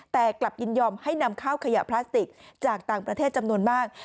แต่กลับยินยอมให้นำข้าวขยะพลาสติกจากต่างประเทศจำนวนมาก